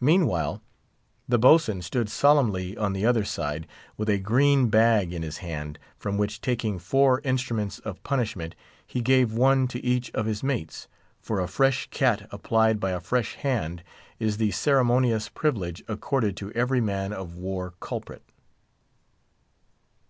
Meanwhile, the boatswain stood solemnly on the other side, with a green bag in his hand, from which, taking four instruments of punishment, he gave one to each of his mates; for a fresh "cat" applied by a fresh hand, is the ceremonious privilege accorded to every man of war culprit.